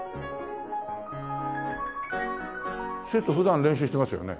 生徒普段練習してますよね？